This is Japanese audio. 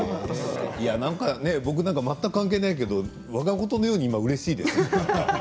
僕なんか全く関係ないけれどわがことのようにうれしいです。